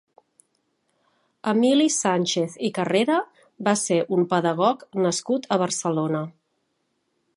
Emili Sànchez i Carrera va ser un pedagog nascut a Barcelona.